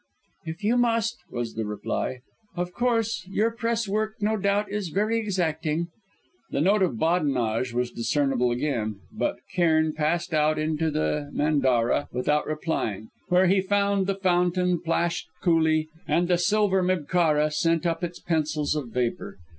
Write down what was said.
"If you must," was the reply. "Of course, your press work no doubt is very exacting." The note of badinage was discernible again, but Cairn passed out into the mandarah without replying, where the fountain plashed coolly and the silver mibkharah sent up its pencils of vapour.